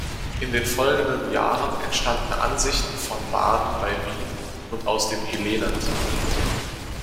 In den folgenden Jahren entstanden Ansichten von Baden bei Wien und aus dem Helenental.